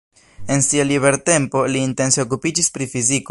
En sia libertempo, li intense okupiĝis pri fiziko.